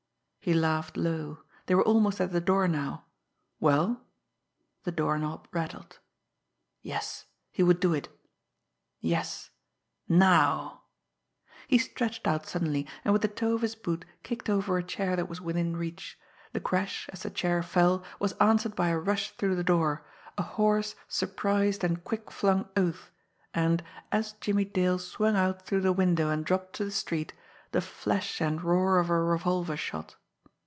He laughed low they were almost at the door now. Well? The doorknob rattled. Yes, he would do it! Yes now! He stretched out suddenly, and with the toe of his boot kicked over a chair that was within reach. The crash, as the chair fell, was answered by a rush through the door, a hoarse, surprised and quick flung oath and, as Jimmie Dale swung out through the window and dropped to the street, the flash and roar of a revolver shot.